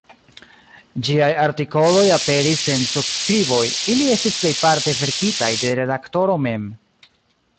Ĝiaj artikoloj aperis sen subskriboj, ili estis plejparte verkitaj de redaktoro mem.